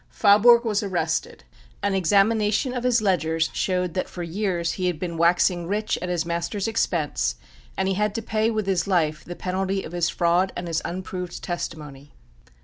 Faaborg was arrested; an examination of his ledgers showed that for years he had been waxing rich at his master's expense, and he had to pay with his life the penalty of his fraud and his unproved testimony.